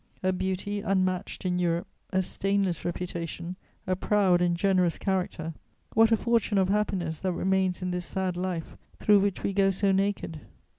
A beauty unmatched in Europe, a stainless reputation, a proud and generous character, what a fortune of happiness that remains in this sad life through which we go so naked!